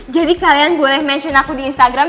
jadi kalian boleh mention aku di instagram